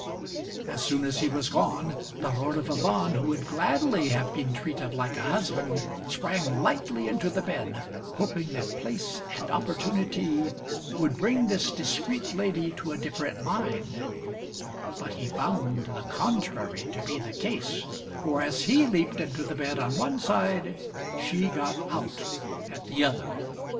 As soon as he was gone, the Lord of Avannes, who would gladly have been treated like a husband, sprang lightly into the bed, hoping that place and opportunity would bring this discreet lady to a different mind; but he found the contrary to be the case, for as he leaped into the bed on one side, she got out at the other.